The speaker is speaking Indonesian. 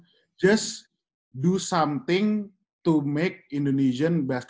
hanya lakukan sesuatu untuk membuat indonesia lebih baik